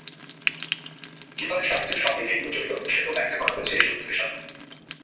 কীভাবে সাহিত্যের সঙ্গে এগুলো জড়িত, সেটাও ব্যাখ্যা করা হয়েছে এসব অধিবেশনে।